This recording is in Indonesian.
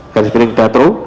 garis miring datro